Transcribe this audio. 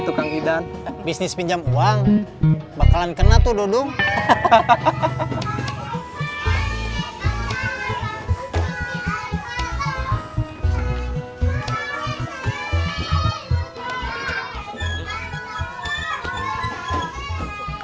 sekarang idan bisnis pinjam uang bakalan kena tuh dudung hahaha